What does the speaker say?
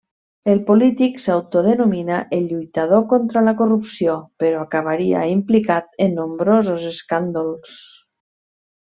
El polític s'autodenomina el lluitador contra la corrupció, però acabaria implicat en nombrosos escàndols.